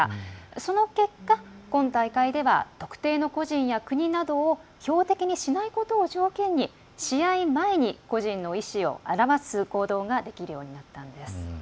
その結果、今大会では特定の個人や国などを標的にしないことを条件に試合前に個人の意思を表す行動ができるようになったんです。